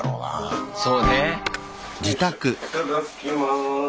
いただきます。